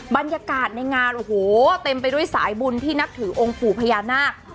บรรยากาศในงานโอ้โหเต็มไปด้วยสายบุญที่นับถือองค์ปู่พญานาค